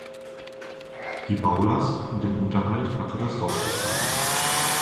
Die Baulast und den Unterhalt hatte das Dorf zu tragen.